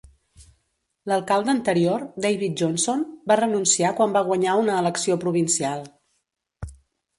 L'alcalde anterior David Johnson va renunciar quan va guanyar una elecció provincial.